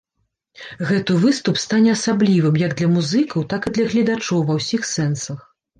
Гэты выступ стане асаблівым, як для музыкаў, так і для гледачоў ва ўсіх сэнсах.